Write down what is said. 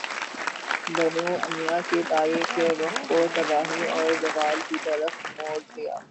بنو امیہ کی تاریخ کے رخ کو تباہی اور زوال کی طرف موڑ دیا